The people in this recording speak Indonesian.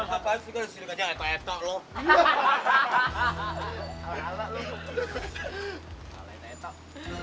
apaan sih gue ada di sini kejalanan eto eto lo